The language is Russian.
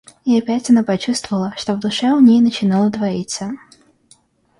И опять она почувствовала, что в душе у ней начинало двоиться.